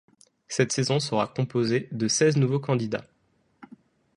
Cette saison sera composée de seize nouveaux candidats.